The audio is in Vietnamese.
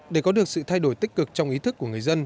để có được sự thay đổi tích cực trong ý thức của người dân